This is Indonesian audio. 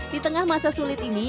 di tengah masa sulit ini